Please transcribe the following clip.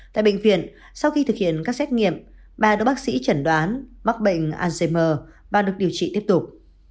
tại bệnh viện sau khi thực hiện các xét nghiệm bà được bác sĩ chẩn đoán mắc bệnh alzheimer và được điều trị tiếp tục